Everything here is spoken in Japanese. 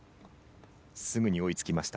すぐに追いつきました。